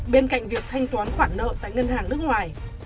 bên cạnh việc thanh toán khoản nợ tại ngân hàng nước ngoài